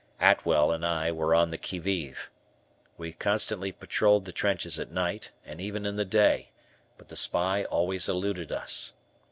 Atwell and I were on the QUI VIVE. We constantly patrolled the trenches at night, and even in the day, but the spy always eluded us.